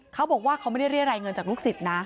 เขาบอกว่าเขาไม่ได้เรียกรายเงินจากลูกศิษย์นะ